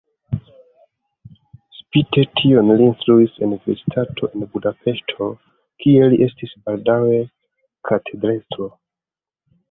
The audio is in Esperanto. Spite tion li instruis en universitato en Budapeŝto, kie li estis baldaŭe katedrestro.